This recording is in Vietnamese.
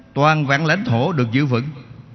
toàn vạn lãnh thổ được giữ vững